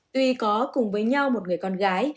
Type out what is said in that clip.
tuy có cùng với nhau một người con gái